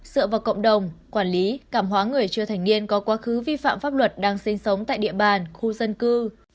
dựa vào cộng đồng quản lý cảm hóa người chưa thành niên có quá khứ vi phạm pháp luật đang sinh sống tại địa bàn khu dân cư